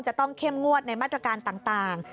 จะต้องเข้มงวดในมาตรการต่าง